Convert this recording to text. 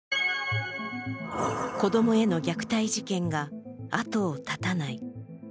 子供への虐待事件が後を絶たない。